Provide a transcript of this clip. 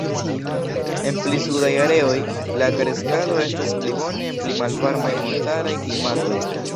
En pli sudaj areoj, la kreskado estas pli bone en pli malvarmaj montaraj klimatoj.